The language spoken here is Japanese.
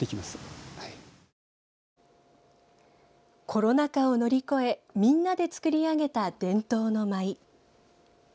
コロナ禍を乗り越えみんなで作り上げた伝統の舞。